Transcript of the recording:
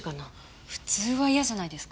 普通は嫌じゃないですか？